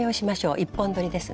１本どりですね。